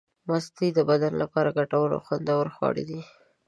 مستې د بدن لپاره ګټورې او خوندورې خواړه دي.